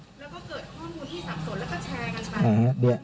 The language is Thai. ส่วนบุคคลที่จะถูกดำเนินคดีมีกี่คนและจะมีพี่เต้ด้วยหรือเปล่า